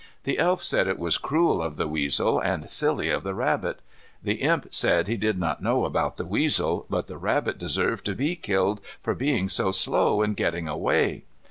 The Elf said it was cruel of the weasel and silly of the rabbit. The Imp said he did not know about the weasel, but the rabbit deserved to be killed for being so slow in getting away.